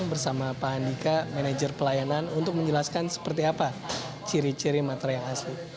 bersama pak andika manajer pelayanan untuk menjelaskan seperti apa ciri ciri materai yang asli